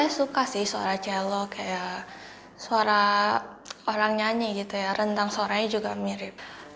saya suka sih suara celo kayak suara orang nyanyi gitu ya rentang suaranya juga mirip